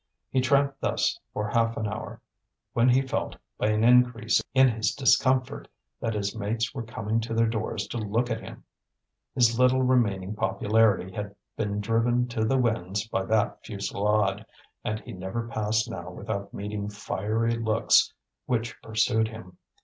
He tramped thus for half an hour, when he felt, by an increase in his discomfort, that his mates were coming to their doors to look at him. His little remaining popularity had been driven to the winds by that fusillade, and he never passed now without meeting fiery looks which pursued him.